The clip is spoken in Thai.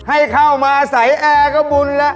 ให้เข้ามาใส่แอร์ก็บุญแล้ว